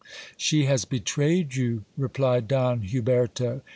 She has betrayed you, replied Don Huberto.